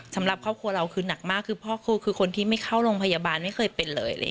สำหรับครอบครัวเราคือหนักมากคือพ่อครูคือคนที่ไม่เข้าโรงพยาบาลไม่เคยเป็นเลย